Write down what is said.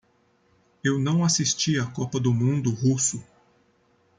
Eu não assisti a copa do mundo russo.